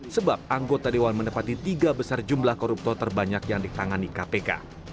sebab anggota dewan menepati tiga besar jumlah koruptor terbanyak yang ditangani kpk